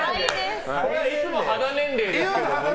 いつも肌年齢ですけどね。